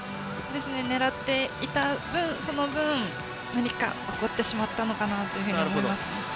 狙っていた分何か、起こってしまったのかなと思います。